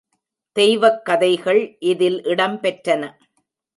தெய்வக் கதைகள் இதில் இடம் பெற்றன.